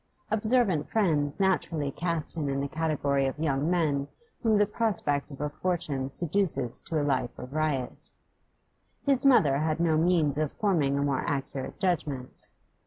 Observant friends naturally cast him in the category of young men whom the prospect of a fortune seduces to a life of riot; his mother had no means of forming a more accurate judgment.